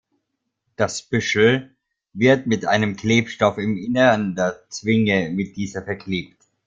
Das Büschel wird mit einem Klebstoff im Innern der Zwinge mit dieser verklebt.